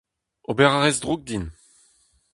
Ober a rez drouk din !